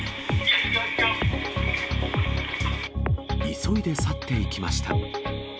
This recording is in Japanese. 急いで去っていきました。